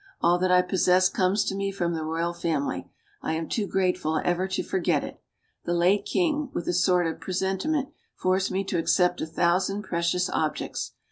All that I possess comes to me from the royal family; I am too grateful ever to forget it. The late king, with a sort of presentiment, forced me to accept a thousand precious objects.